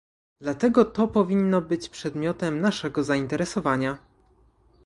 Dlatego to powinno być przedmiotem naszego zainteresowania